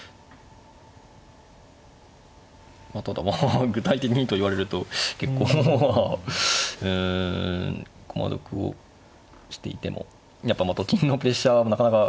まあただ具体的にと言われると結構まあうん駒得をしていてもやっぱと金のプレッシャーがなかなか。